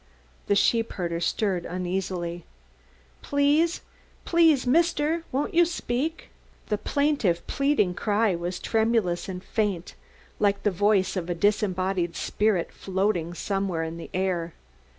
The sheepherder stirred uneasily. "Please please, Mister, won't you speak?" The plaintive pleading cry was tremulous and faint like the voice of a disembodied spirit floating somewhere in the air.